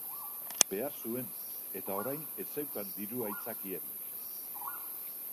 Behar zuen, eta orain ez zeukan diru-aitzakiarik.